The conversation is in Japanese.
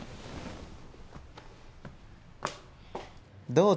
どう？